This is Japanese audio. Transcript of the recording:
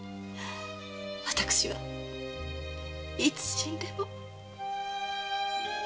私はいつ死んでも。